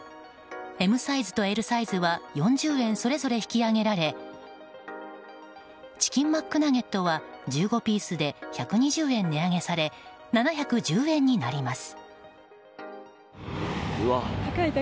ＭサイズとＬサイズは４０円それぞれ引き上げられチキンマックナゲットは１５ピースで１２０円値上げされ７１０円になります。